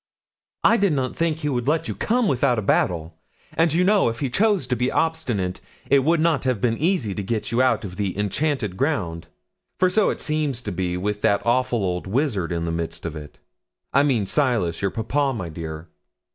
'I did not think he would let you come without a battle; and you know if he chose to be obstinate it would not have been easy to get you out of the enchanted ground, for so it seems to be with that awful old wizard in the midst of it. I mean, Silas, your papa, my dear.